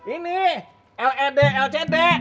ini led lcd